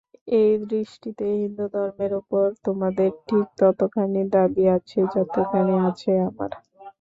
এই দৃষ্টিতে হিন্দুধর্মের উপর তোমাদের ঠিক ততখানি দাবী আছে, যতখানি আছে আমার।